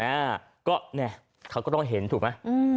อ่าก็เนี่ยเขาก็ต้องเห็นถูกไหมอืม